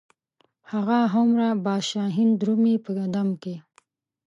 هغه هومره باز شاهین درومي په دم کې.